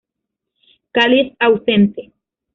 Cáliz ausente.